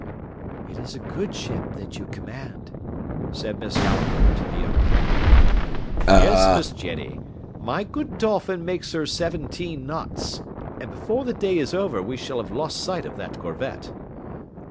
"It is a good ship that you command," said Miss Halliburtt to the young Captain. "Yes, Miss Jenny, my good Dolphin makes her seventeen knots, and before the day is over we shall have lost sight of that corvette."